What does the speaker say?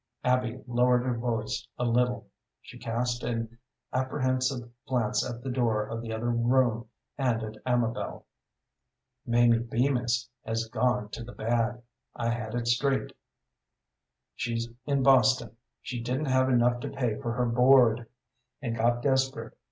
Abby lowered her voice a little. She cast an apprehensive glance at the door of the other room, and at Amabel. "Mamie Bemis has gone to the bad. I had it straight. She's in Boston. She didn't have enough to pay for her board, and got desperate.